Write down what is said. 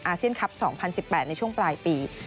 เซียนคลับ๒๐๑๘ในช่วงปลายปี